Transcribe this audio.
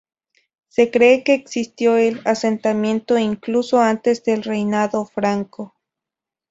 Se cree que existió el asentamiento incluso antes del reinado franco.